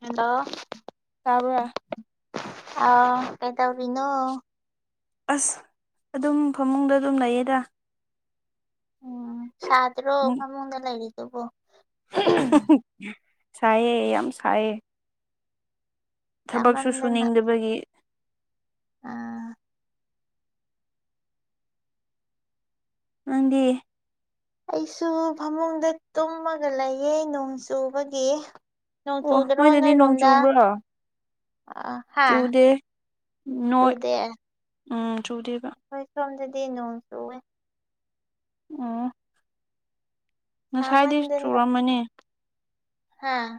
Hello ꯇꯥꯕ ꯑ ꯀꯦ ꯇꯥꯎꯔꯤꯅꯣ ꯑꯁ ꯑꯗꯨꯝ ꯐꯃꯨꯡꯗ ꯑꯗꯨꯝ ꯂꯩꯌꯦꯗ ꯁꯥꯇ꯭ꯔꯣ ꯐꯃꯨꯛꯒ ꯂꯩꯔꯤꯗꯕꯣ ꯁꯥꯏꯑꯦ ꯌꯥꯝ ꯁꯥꯏꯌꯦ ꯊꯕꯛꯁꯨ ꯁꯥꯃꯟꯗꯅ ꯁꯨꯅꯤꯡꯗꯕꯒꯤ ꯑꯥ ꯅꯪꯒꯤ ꯑꯩꯁꯨ ꯐꯃꯨꯡꯗ ꯇꯨꯝꯃꯒ ꯂꯩꯌꯦ ꯅꯣꯡ ꯆꯨꯕꯒꯤ ꯅꯣꯡ ꯑꯣ ꯆꯨꯗ꯭ꯔꯣ ꯅꯣꯏꯗꯗꯤ ꯅꯣꯡ ꯅꯣꯏꯔꯣꯝꯗ ꯆꯨꯕ꯭ꯔꯣ ꯑ ꯍꯥꯥ ꯆꯨꯗꯦ ꯅꯣꯏ ꯆꯨꯗꯦ꯫ ꯎꯝ ꯆꯨꯗꯦ ꯑꯩꯈꯣꯏ ꯁꯣꯝꯗꯗꯤ ꯅꯣꯡ ꯆꯨꯋꯦ ꯎꯝ ꯉꯁꯥꯏꯗꯤ ꯆꯨꯔꯝꯃꯅꯤ ꯍꯥꯥ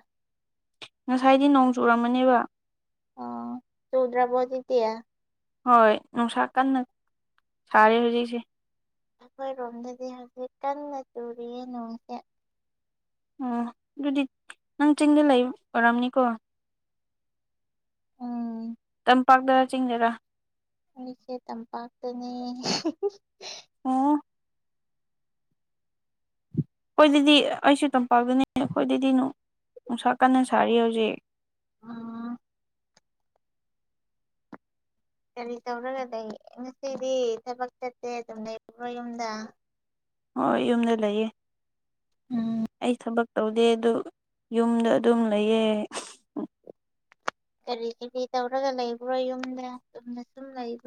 ꯉꯁꯥꯏꯗꯤ ꯅꯣꯡ ꯆꯨꯔꯝꯃꯅꯦꯕ ꯑ ꯆꯧꯗ꯭ꯔꯥꯕꯣꯖꯤ ꯑꯖꯤꯛꯇꯤ ꯍꯣꯏ ꯅꯨꯡꯁꯥ ꯀꯟꯅ ꯁꯥꯔꯦ ꯍꯧꯖꯤꯛꯁꯦ ꯑꯩꯈꯣꯏꯔꯣꯝꯗꯗꯤ ꯍꯧꯖꯤꯛ ꯀꯟꯅ ꯆꯨꯔꯤꯌꯦ ꯅꯣꯡꯁꯦ ꯑꯣ ꯑꯗꯨꯗꯤ ꯅꯪ ꯆꯤꯡꯗ ꯂꯩ ꯑꯣꯏꯔꯝꯅꯤꯀꯣ ꯎꯝ ꯄꯥꯛꯗꯔꯥ ꯆꯤꯡꯗꯔꯥ ꯍꯧꯁꯦ ꯇꯝꯄꯥꯛꯇꯅꯤ ꯑꯣ ꯑꯩꯈꯣꯏ ꯑꯗꯨꯗꯤ ꯑꯩꯁꯨ ꯇꯝꯄꯥꯛꯀꯅꯤ ꯑꯩꯈꯣꯏ ꯑꯗꯨꯗꯤ ꯅꯨꯡꯁꯥ ꯀꯟꯅ ꯁꯥꯔꯤ ꯍꯧꯖꯤꯛ ꯑꯥ ꯀꯔꯤ ꯇꯧꯔꯒ ꯂꯩ ꯉꯁꯤꯗꯤ ꯊꯕꯛ ꯆꯠꯇꯦ ꯑꯗꯨꯝ ꯂꯩꯔꯣ ꯌꯨꯝꯗ ꯍꯣꯏ ꯌꯨꯝꯗ ꯂꯩꯌꯦ ꯎꯝ ꯑꯩ ꯊꯕꯛ ꯇꯧꯗꯦ ꯑꯗꯨ ꯌꯨꯝꯗ ꯑꯗꯨꯝ ꯂꯩꯌꯦ ꯀꯔꯤ ꯀꯔꯤ ꯇꯧꯔꯒ ꯂꯩꯕ꯭ꯔꯣ ꯌꯨꯝꯗ ꯌꯨꯝꯗ ꯁꯨꯝ ꯂꯩꯕ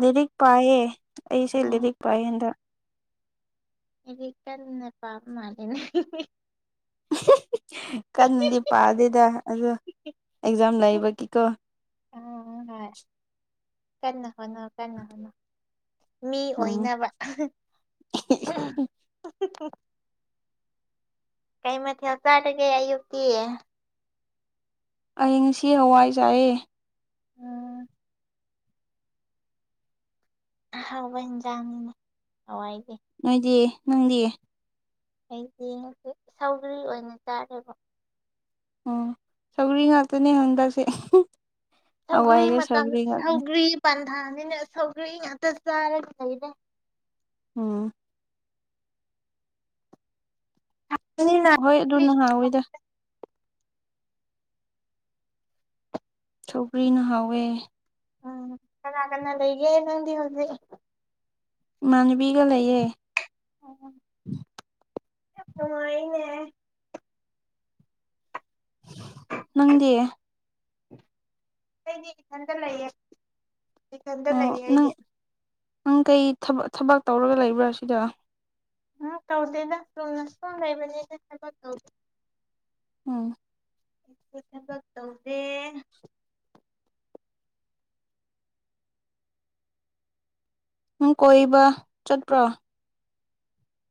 ꯂꯤꯔꯤꯛ ꯄꯥꯏꯌꯦ ꯑꯩꯁꯦ ꯎꯝ ꯂꯤꯔꯤꯛ ꯄꯥꯏꯌꯦ ꯍꯟꯗꯛ ꯂꯥꯏꯔꯤꯛ ꯀꯟꯅ ꯄꯕꯃꯟꯅꯦ [inaudible] ꯀꯟꯅꯗꯤ ꯄꯥꯗꯦꯗ ꯑꯗꯣ ꯑꯦꯛꯖꯥꯝ ꯂꯩꯕꯒꯤꯀꯣ [inaudible] ꯎꯝ ꯍꯣꯏ ꯀꯟꯅ ꯍꯣꯠꯅꯧ ꯀꯟꯅ ꯍꯣꯠꯅꯧ ꯃꯤ ꯎꯝ ꯑꯣꯏꯅꯕ ꯀꯩ ꯃꯊꯦꯜ ꯆꯥꯗꯒꯦ ꯑꯌꯨꯛꯇꯤ ꯑꯤꯉꯁꯤ ꯍꯋꯥꯏꯖꯥꯏꯑꯦ ꯎꯝ ꯑ ꯍꯥꯎꯕ ꯏꯟꯖꯥꯡꯅꯤꯅ ꯍꯋꯥꯏ ꯅꯣꯏꯗꯤ ꯅꯪꯗꯤ ꯑꯩꯗꯤ ꯉ ꯁꯧꯒ꯭ꯔꯤ ꯑꯣꯏꯅ ꯆꯥꯔꯦꯕ ꯑꯣ ꯁꯧꯒꯔꯤ ꯉꯥꯛꯇꯅꯦ ꯍꯟꯗꯁꯦ ꯊꯧꯒ ꯃ ꯁꯧꯒ ꯄꯥꯟ ꯅꯅꯤꯅ ꯁꯒꯤꯔ ꯉꯥꯛꯇ ꯆꯥꯔꯒ ꯂꯩꯔꯦ ꯎꯝ ꯅꯤꯅ ꯍꯣꯏ ꯑꯗꯨ ꯅꯍꯥꯟ ꯑꯣꯏꯗ ꯁꯧꯒꯔ꯭ꯤꯅ ꯍꯥꯎꯋꯦ ꯎꯝ ꯀꯅꯥ ꯀꯅꯥ ꯂꯩꯒꯦ ꯅꯪꯗꯤ ꯍꯧꯖꯤꯛ ꯏꯃꯥꯅꯕꯤꯒ ꯂꯩꯌꯦ ꯃꯥꯅꯦ ꯅꯪꯗꯤ ꯑꯩꯗꯤ ꯏꯊꯟꯇ ꯂꯩꯌꯦ ꯏꯊꯟꯗ ꯑꯣ ꯂꯩꯌꯦ ꯅꯪ ꯑꯩꯗꯤ ꯅꯪ ꯀꯩ ꯊꯕꯛ ꯇꯧꯔꯒ ꯂꯩꯕ꯭ꯔꯥ ꯁꯤꯗ ꯎꯝ ꯇꯧꯗꯦꯗ ꯆꯨꯝꯅ ꯁꯨꯝ ꯂꯩꯕꯅꯤꯗ ꯊꯥꯕꯛ ꯇꯧꯗꯦ ꯎꯝ ꯑꯩꯁꯨ ꯊꯕꯛ ꯇꯧꯗꯦ ꯅꯪ ꯀꯣꯏꯕ ꯆꯠꯄ꯭ꯔꯣ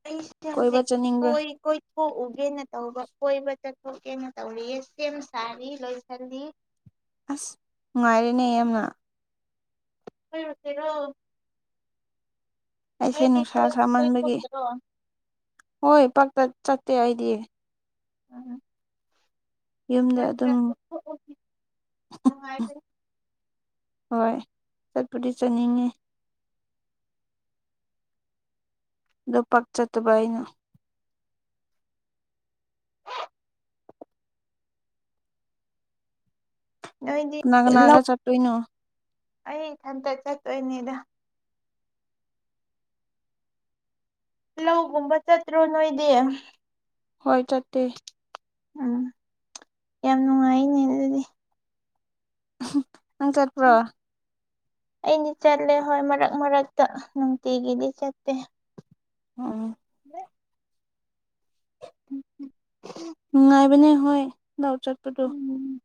ꯑꯩ ꯀꯣꯏꯕ ꯍꯧꯖꯥꯛ ꯆꯠꯅꯤꯡꯕ꯭ꯔꯥ ꯀꯣꯏ ꯀꯣꯏ ꯀꯣꯛꯎꯒꯦꯅ ꯇꯧꯕ ꯀꯣꯏꯕ ꯆꯠꯊꯣꯛꯀꯦꯅ ꯇꯧꯔꯤ ꯁꯦꯝ ꯁꯥꯔꯤ ꯂꯣꯏꯁꯤꯜꯂꯤ ꯑꯁ ꯅꯨꯡꯉꯥꯏꯔꯦꯅꯦ ꯌꯥꯝꯅ ꯑꯣꯏ ꯏꯠꯇꯦꯔꯣ ꯑꯩꯁꯦ ꯅꯨꯡꯁꯥ ꯁꯥꯃꯟꯕꯒꯤ ꯗꯤꯣꯏꯇꯔꯣ ꯍꯣꯏ ꯄꯥꯛꯇ ꯆꯠꯇꯦ ꯑꯩꯗꯤ ꯎꯝ ꯌꯨꯝꯗ ꯈꯔ ꯈꯔ ꯑꯗꯨꯝ ꯀꯣꯏꯊꯣꯛꯎꯁꯤ ꯅꯨꯡꯉꯥꯏꯕꯅꯤ ꯍꯣꯏ ꯆꯠꯄꯗꯤ ꯆꯠꯅꯤꯡꯉꯤ ꯑꯗꯣ ꯄꯥꯛꯆꯠꯇꯕ ꯑꯩꯅ ꯅꯣꯏꯗꯤ ꯀꯅꯥꯀꯅꯥꯒ ꯂꯧ ꯆꯠꯇꯣꯏꯅꯣ ꯑꯩ ꯏꯊꯟꯇ ꯆꯠꯇꯣꯏꯅꯦꯗ ꯂꯧꯒꯨꯝꯕ ꯆꯠꯇ꯭ꯔꯣ ꯅꯣꯏꯗꯤ ꯍꯣꯏ ꯆꯠꯇꯦ ꯎꯝ ꯌꯥꯝ ꯅꯨꯡꯉꯥꯏꯅꯦ ꯑꯗꯨꯗꯤ ꯅꯪ ꯆꯠꯄ꯭ꯔꯣ ꯑꯩꯗꯤ ꯆꯠꯂꯦ ꯍꯣꯏ ꯃꯔꯛ ꯃꯔꯛꯇ ꯅꯨꯡꯇꯤꯒꯤꯗꯤ ꯆꯠꯇꯦ ꯑꯣ ꯎꯝ ꯎꯝ ꯅꯨꯡꯉꯥꯏꯕꯅꯦ ꯍꯣꯏ ꯂꯧ ꯆꯠꯄꯗꯣ ꯎꯝ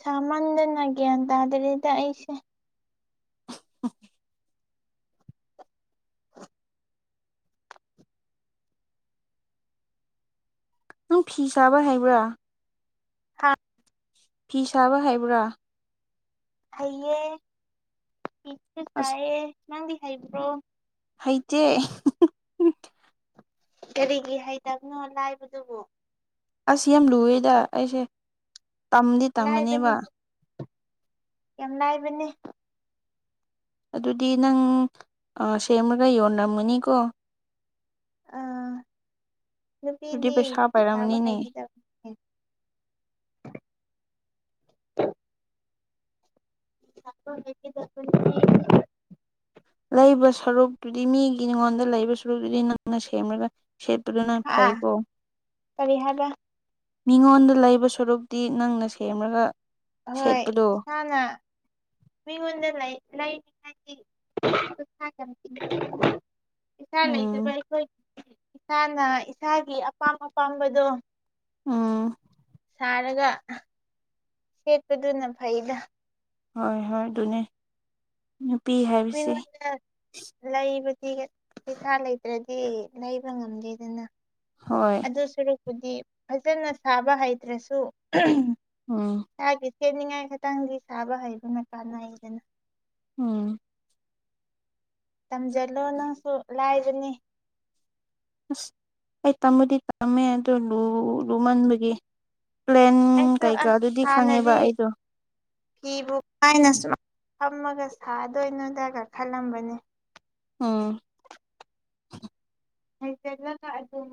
ꯁꯥꯃꯟꯗꯅ ꯒꯌ꯭ꯥꯟ ꯇꯥꯗꯔꯦꯗꯥ ꯑꯩꯁꯦ ꯑ ꯅꯪ ꯐꯤ ꯁꯥꯥꯕ ꯍꯩꯕ꯭ꯔꯥ ꯍ ꯐꯤ ꯁꯥꯕ ꯍꯩꯕ꯭ꯔꯥ ꯍꯩꯌꯦ ꯐꯤꯁꯨ ꯑꯁ ꯁꯥꯏꯌꯦ ꯅꯪꯗꯤ ꯍꯩꯕ꯭ꯔꯣ ꯍꯩꯇꯦ ꯀꯔꯤꯒꯤ ꯍꯩꯇꯕꯅꯣ ꯂꯥꯏꯕꯗꯨꯕꯨ ꯑꯁ ꯌꯥꯝ ꯂꯨꯏꯌꯦꯗ ꯑꯩꯁꯦ ꯇꯝꯗꯤ ꯇꯝꯃꯅꯦꯕ ꯂꯥꯏꯕꯅꯤ ꯌꯥꯝ ꯂꯥꯏꯕꯅꯦ ꯑꯗꯨꯗꯤ ꯅꯪ ꯁꯦꯝꯃꯒ ꯌꯣꯟꯂꯝꯝꯃꯅꯤꯀꯣ ꯑꯥ ꯑꯗꯨꯗꯤ ꯅꯨꯄꯤꯗꯤ ꯄꯩꯁꯥ ꯐꯤ ꯁꯥꯕ ꯄꯥꯏꯔꯝꯃꯅꯤꯅꯦ ꯍꯩꯒꯗꯕꯅꯤ ꯁꯥꯕ ꯍꯩꯒꯗꯕꯅꯤ ꯂꯩꯕ ꯁꯔꯨꯛꯇꯨꯗꯤ ꯃꯤꯒꯤꯉꯣꯟꯗ ꯂꯩꯕ ꯁꯔꯨꯛꯇꯨꯗꯤ ꯅꯪꯅ ꯁꯦꯝꯂꯒ ꯁꯦꯠꯄꯗꯅ ꯍꯥ ꯐꯩ ꯀꯣ ꯀꯔꯤ ꯍꯥꯏꯕ ꯃꯤꯉꯣꯟꯗ ꯂꯩꯕ ꯁꯔꯨꯛꯇꯤ ꯅꯪꯅ ꯁꯦꯝꯔꯒ ꯍꯣꯏ ꯁꯦꯠꯄꯗꯣ ꯏꯁꯥꯅ ꯃꯤꯉꯣꯟꯗ ꯂꯩ ꯂꯩ ꯍꯥꯏꯗꯤ [unintelligible] ꯏꯆꯥ ꯂꯩꯇꯕ ꯎꯝ ꯑꯩꯈꯣꯏ ꯏꯁꯥꯅ ꯏꯁꯥꯒꯤ ꯑꯄꯥꯝ ꯑꯄꯥꯝꯕꯗꯣ ꯑꯥ ꯁꯥꯔꯒ ꯁꯦꯠꯄꯗꯨꯅ ꯐꯩꯗ ꯍꯣꯏ ꯍꯣꯏ ꯑꯗꯨꯅꯦ ꯅꯨꯄꯤ ꯍꯥꯏꯕꯁꯦ ꯃꯤꯉꯣꯟꯗ ꯂꯩꯕꯗꯤ ꯄꯩꯁꯥ ꯂꯩꯇ꯭ꯔꯗꯤ ꯂꯩꯕ ꯉꯝꯗꯦꯗꯅ ꯍꯣꯏ ꯑꯗꯨꯁꯨ ꯍꯥꯏꯗꯤ ꯐꯖꯅ ꯁꯥꯕ ꯍꯩꯇ꯭ꯔꯁꯨ ꯎꯝ ꯍꯩꯅꯤꯡꯉꯥꯏ ꯈꯤꯇꯪꯗꯤ ꯁꯥꯕ ꯍꯩꯕꯅ ꯀꯥꯅꯩꯗꯅ ꯎꯝ ꯇꯝꯁꯤꯜꯂꯣ ꯅꯪꯁꯨ ꯂꯥꯏꯕꯅꯤ ꯑꯁ ꯑꯩ ꯇꯝꯕꯗꯤ ꯇꯝꯃꯦ ꯑꯗꯨꯗ ꯂꯨ ꯂꯨꯃꯟꯕꯒꯤ ꯄ꯭ꯂꯦꯟ ꯑꯩꯁꯨ ꯀꯩꯀꯥ ꯑꯁ ꯑꯗꯨꯗꯤ ꯈꯪꯉꯦꯕ ꯍꯥꯟꯅꯗꯤ ꯑꯩꯗꯣ ꯐꯤꯕꯨ ꯀꯥꯏꯅ ꯁꯨꯃꯥꯏꯅ ꯐꯝꯃꯒ ꯁꯥꯗꯣꯏꯅꯣꯗꯒ ꯈꯜꯂꯝꯕꯅꯤ ꯑꯥ ꯍꯩꯖꯜꯂꯒ ꯑꯗꯨꯝ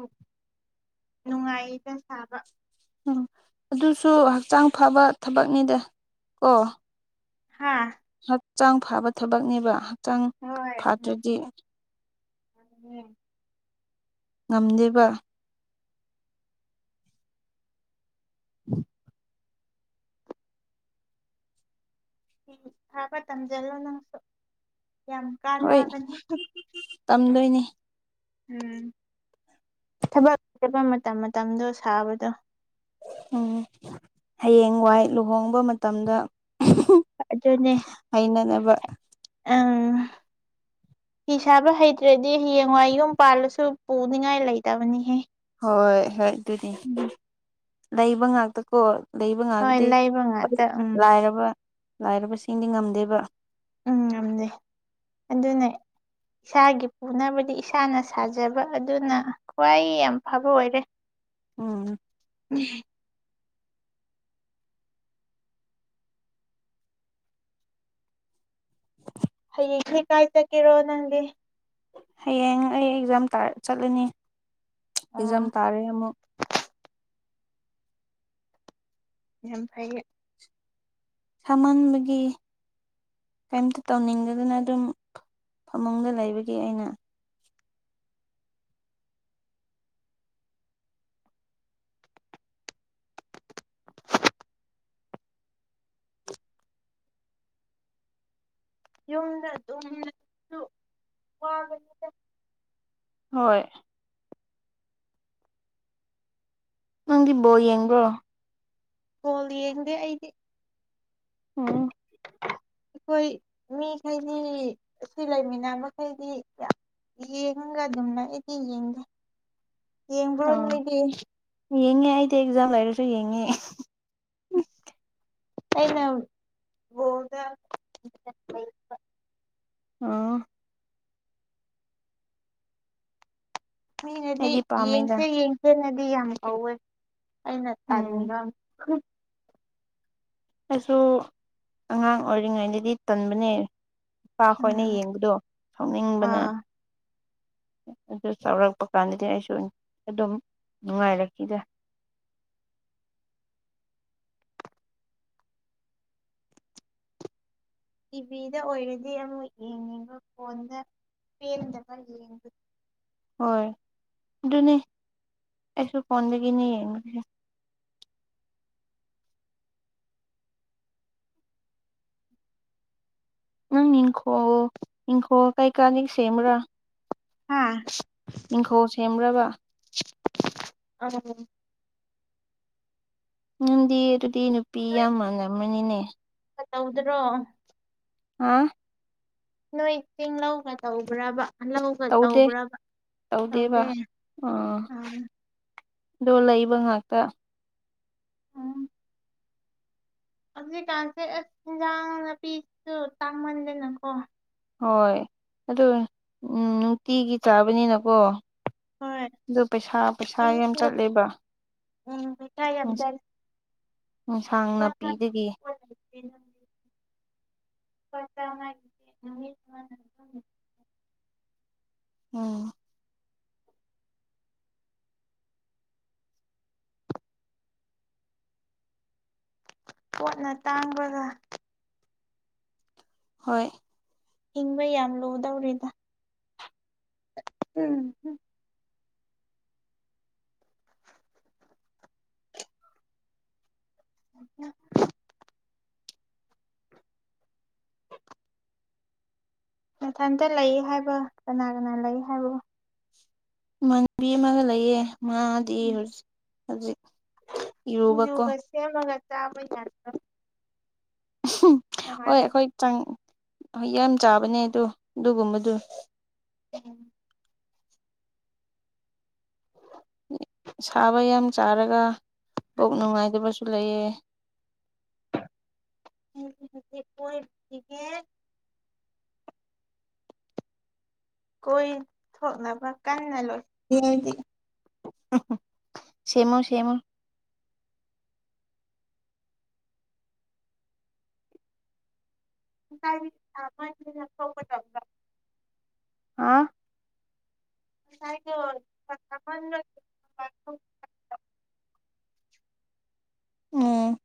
ꯅꯨꯡꯉꯥꯏꯗ ꯁꯥꯕ ꯎꯝ ꯑꯗꯨꯁꯨ ꯍꯛꯆꯥꯡ ꯐꯕ ꯊꯕꯛꯅꯤꯗ ꯀꯣ ꯍꯥꯥ ꯍꯛꯆꯥꯡ ꯐꯕ ꯊꯕꯛꯅꯦꯕ ꯍꯛꯆꯥꯡ ꯍꯣꯏ ꯐꯗ꯭ꯔꯗꯤ [unintelligible] ꯉꯝꯗꯦꯕ [inaudible] ꯐꯤ ꯁꯥꯕ ꯇꯝꯁꯤꯜꯂꯣ ꯅꯪꯁꯨ ꯌꯥꯝ ꯍꯣꯏ ꯀꯥꯟꯅꯕꯅꯤ ꯇꯝꯗꯣꯏꯅꯤ ꯎꯝ ꯊꯕꯛ ꯆꯠꯕ ꯃꯇꯝ ꯃꯇꯝꯗꯣ ꯁꯥꯕꯗꯣ ꯎꯝ ꯍꯌꯦꯡ ꯋꯥꯏ ꯂꯨꯍꯣꯡꯕ ꯃꯇꯝꯗ ꯑꯗꯨꯅꯦ ꯍꯩꯅꯅꯕ ꯑꯪ ꯐꯤ ꯁꯥꯕ ꯍꯩꯇ꯭ꯔꯗꯤ ꯍꯌꯦꯡꯋꯥꯏ ꯌꯨꯝ ꯄꯥꯜꯂꯁꯨ ꯄꯨꯅꯤꯡꯉꯥꯏ ꯂꯩꯇꯕꯅꯤꯍꯦ ꯍꯣꯏ ꯍꯣꯏ ꯑꯗꯨꯅꯦ ꯎꯝ ꯂꯩꯕ ꯉꯥꯛꯇꯀꯣ ꯂꯩꯕ ꯍꯣꯏ ꯉꯥꯛꯗꯤ ꯂꯩꯕ ꯉꯥꯛꯇ ꯎꯝ ꯂꯥꯏꯔꯕ ꯂꯥꯏꯔꯕꯁꯤꯡꯗꯤ ꯉꯝꯗꯦꯕ ꯎꯝ ꯉꯝꯗ ꯑꯗꯨꯅꯦ ꯏꯁꯥꯒꯤ ꯄꯨꯅꯕꯗꯤ ꯏꯁꯥꯅ ꯁꯥꯖꯕ ꯑꯗꯨꯅ ꯈ꯭ꯋꯥꯏ ꯌꯥꯝ ꯐꯕ ꯑꯣꯏꯔꯦ ꯎꯝ ꯍꯌꯦꯡꯁꯦ ꯀꯥꯏ ꯆꯠꯀꯦꯔꯣ ꯅꯪꯗꯤ ꯍꯌꯦꯡ ꯑꯩ ꯑꯦꯛꯖꯥꯝ ꯇꯥꯔꯛ ꯆꯠꯂꯅꯤ ꯑꯦꯛꯖꯝ ꯑꯣ ꯇꯥꯔꯦ ꯑꯃꯨꯛ ꯌꯥꯝ ꯐꯥꯏ ꯁꯥꯃꯟꯕꯒꯦ ꯀꯩꯝꯇ ꯇꯧꯅꯤꯡꯗꯗꯅ ꯑꯗꯨꯝ ꯐꯃꯨꯡꯗ ꯂꯩꯕꯒꯤ ꯑꯩꯅ ꯌꯨꯝꯗ ꯗꯨꯝ ꯁꯨ ꯋꯥꯕꯅꯤꯗ ꯍꯣꯏ ꯅꯪꯗꯤ ꯕꯣꯜ ꯌꯦꯡꯕ꯭ꯔꯣ ꯕꯣꯜ ꯌꯦꯡꯗꯦ ꯑꯩꯗꯤ ꯑꯝ ꯑꯩꯈꯣꯏ ꯃꯤꯈꯩꯗꯤ ꯁꯤ ꯂꯩꯃꯤꯟꯅꯕꯈꯩꯗꯤ ꯌꯥꯝ ꯌꯦꯡꯑꯒ ꯑꯗꯨꯝꯅ ꯑꯩꯗꯤ ꯌꯦꯡꯒꯦ ꯑ ꯌꯦꯡꯉꯦ ꯑꯩꯗꯤ ꯖꯝ ꯂꯩꯔꯁꯨ ꯌꯦꯡꯉꯦ ꯑꯩꯅ ꯕꯣꯜ ꯗ ꯑꯥ ꯃꯤꯅꯗꯤ ꯑꯩꯗꯤ ꯄꯥꯝꯃꯦꯗ ꯌꯦꯡꯁꯦ ꯌꯦꯡꯁꯦꯅꯗꯤ ꯌꯥꯝ ꯍꯧꯋꯦ ꯑꯩꯅ ꯎꯝ ꯇꯟꯕ ꯑꯩꯁꯨ ꯑꯉꯥꯡ ꯑꯣꯏꯔꯤꯉꯩꯗꯗꯤ ꯇꯟꯕꯅꯦ ꯏꯄꯥ ꯈꯣꯏꯅ ꯎꯝ ꯌꯦꯡꯕꯗꯣ ꯁꯥꯎꯅꯤꯡꯕꯅ ꯑꯥ ꯑꯗꯨ ꯆꯥꯎꯔꯛꯄ ꯀꯥꯟꯗꯗꯤ ꯑꯩꯁꯨ ꯑꯗꯨꯝ ꯅꯨꯡꯉꯥꯏꯔꯛꯈꯤꯗ [inaudible] ꯇꯤꯚꯤꯗ ꯑꯣꯏꯔꯗꯤ ꯑꯃꯨꯛ ꯌꯦꯡꯅꯤꯡꯕ ꯐꯣꯟꯗ ꯄꯦꯟꯗꯕ ꯌꯦꯡ ꯍꯣꯏ ꯑꯗꯨꯅꯦ ꯑꯩꯁꯨ ꯐꯣꯟꯗꯒꯤꯅꯤ ꯌꯦꯡꯕꯁꯦ ꯎꯪ ꯏꯪꯈꯣꯜ ꯏꯪꯈꯣꯜ ꯀꯩꯀꯥꯅꯤ ꯁꯦꯝꯕ꯭ꯔꯥ ꯍꯥꯥ ꯏꯪꯈꯣꯜ ꯁꯦꯝꯕ꯭ꯔꯥꯕ ꯑꯡ ꯅꯪꯗꯤ ꯑꯗꯨꯗꯤ ꯅꯨꯄꯤ ꯅꯣꯏ ꯌꯥꯝ ꯃꯥꯟꯂꯝꯃꯅꯤꯅꯦ ꯇꯧꯗ꯭ꯔꯣ ꯍꯥ ꯅꯣꯏ ꯇꯤꯡ ꯂꯧꯅ ꯇꯧꯕ꯭ꯔꯕ ꯂꯎꯒ ꯇꯧꯗꯦ ꯇꯧꯕ꯭ꯔꯕ ꯇꯧꯗꯦꯕ ꯇꯧꯗꯦ ꯑꯥ ꯑꯗꯣ ꯂꯩꯕ ꯉꯥꯛꯇ ꯎꯝ ꯍꯧꯖꯤꯛꯀꯥꯟꯁꯦ ꯑꯁ ꯏꯟꯖꯥꯡ ꯅꯥꯄꯤꯁꯨ ꯇꯥꯡꯃꯟꯗꯅꯀꯣ ꯍꯣꯏ ꯑꯗꯨ ꯅꯨꯡꯇꯤꯒꯤ ꯆꯥꯕꯅꯤꯅꯀꯣ ꯍꯣꯏ ꯑꯗꯨ ꯄꯩꯁꯥ ꯄꯩꯁꯥ ꯑꯩ ꯌꯥꯝ ꯆꯠꯂꯦꯕ ꯎꯝ ꯄꯩꯁꯥ ꯌꯥꯝ ꯑꯦꯟꯁꯥꯡ ꯅꯥꯄꯤꯗꯒꯤ [unintelligible] ꯑꯝ ꯄꯣꯠꯅ ꯇꯥꯡꯕꯒ ꯍꯣꯏ ꯍꯤꯡꯕ ꯌꯥꯝ ꯂꯨꯗꯧꯔꯤꯗ ꯎꯝꯝ [unintelligible] ꯃꯊꯟꯇ ꯂꯩ ꯍꯥꯏꯕ ꯀꯅꯥ ꯀꯅꯥ ꯂꯩ ꯍꯥꯏꯕꯣ ꯃꯥꯟꯕꯤ ꯑꯃꯒ ꯂꯩꯌꯦ ꯎꯝ ꯃꯥꯗꯤꯖꯤ ꯍꯧꯖꯤꯛ ꯏꯔꯨꯕꯀꯣ ꯁꯤꯡꯖꯨꯒ ꯁꯦꯝꯃꯒ ꯆꯥꯕ ꯍꯣꯏ ꯅꯨꯡꯉꯥꯏꯕꯅꯤ ꯑꯩꯈꯣꯏ ꯆꯪ ꯌꯥꯝ ꯆꯥꯕꯅꯦ ꯑꯗꯣ ꯑꯗꯨꯒꯨꯝꯕꯗꯨ ꯎꯝ ꯁꯥꯕ ꯌꯥꯝ ꯆꯥꯔꯒ ꯀꯣꯛ ꯅꯨꯡꯉꯥꯏꯇꯕꯁꯨ ꯂꯩꯌꯦ [unintelligible] [unintelligible] ꯀꯣꯏꯊꯣꯛꯅꯕ ꯀꯟꯅ ꯂꯣꯏ ꯁꯦꯝꯃꯣ ꯁꯦꯝꯃꯣ [unintelligible] ꯍꯥ [unintelligible] ꯎꯝ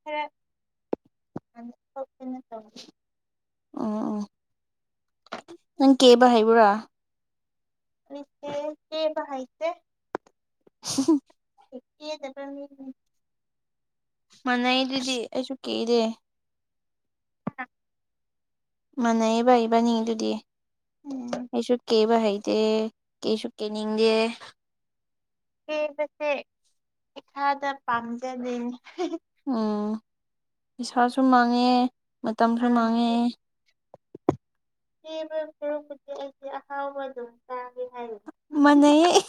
ꯈꯔ [inaudible] ꯑꯝ ꯑꯝ ꯅꯪ ꯀꯦꯕ ꯍꯩꯕ꯭ꯔꯥ ꯑꯩꯁꯦ ꯀꯦꯕ ꯍꯩꯇꯦ [inaudible] ꯀꯦꯗꯕ ꯃꯤꯅꯦ ꯃꯅꯩꯗꯨꯗꯤ ꯑꯩꯁꯨ ꯀꯤꯗꯦ ꯑ [unintelligible] ꯃꯅꯩꯌꯦꯕ ꯏꯕꯅꯤ ꯑꯗꯨꯗꯤ ꯎꯝ ꯑꯩꯁꯨ ꯀꯦꯕ ꯍꯩ ꯀꯦꯁꯨ ꯀꯦꯅꯤꯡꯗꯦ ꯀꯦꯕꯁꯦ ꯏꯁꯥꯗ ꯄꯥꯝꯖꯗꯦꯅꯦ ꯎꯝ ꯏꯁꯩꯁꯨ ꯃꯥꯡꯉꯦ ꯃꯇꯝꯁꯨ ꯑꯥ ꯃꯥꯡꯉꯦ ꯀꯦꯕ ꯁꯔꯨꯀꯄꯨꯗꯤ ꯑꯩꯗꯤ ꯑꯍꯥꯎꯕ ꯑꯗꯨꯝ ꯆꯥꯒꯦ ꯍꯥꯏꯔꯤ ꯃꯅꯩꯌꯦ